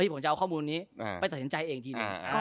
ผมจะเอาข้อมูลนี้ไปตัดสินใจเองทีหนึ่ง